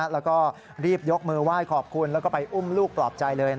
แล้วก็รีบยกมือไหว้ขอบคุณแล้วก็ไปอุ้มลูกปลอบใจเลย